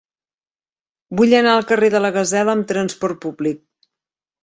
Vull anar al carrer de la Gasela amb trasport públic.